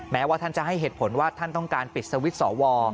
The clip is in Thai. แม้ว่าท่านจะให้เหตุผลว่าท่านต้องการปิดสวิตช์สว